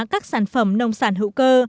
các sản phẩm nông sản hữu cơ